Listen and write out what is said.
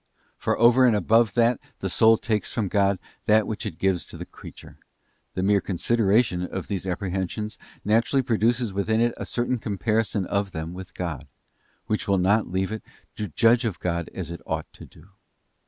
For over and above that the soul takes from God that which it gives to the creature, the mere consideration of these apprehensions naturally produces within it a certain comparison of them with God, which will not leave it to judge of God as it ought todo.